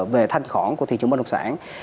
về thanh khoản của thị trường bất động sản